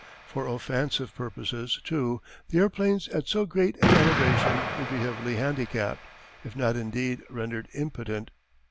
For offensive purposes too the airplanes at so great an elevation would be heavily handicapped, if not indeed rendered impotent.